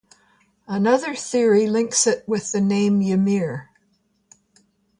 Another theory links it with the name "Ymir".